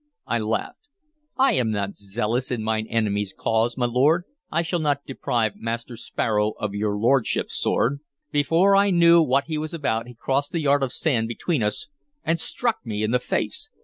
I laughed. "I am not zealous in mine enemy's cause, my lord. I shall not deprive Master Sparrow of your lordship's sword." Before I knew what he was about he crossed the yard of sand between us and struck me in the face.